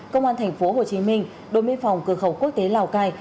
công an thành phố hồ chí minh đội miên phòng cửa khẩu quốc tế lào cai